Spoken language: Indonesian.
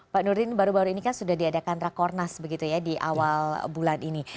pak nurdin baru baru ini kan sudah diadakan rakornas begitu ya di awal bulan ini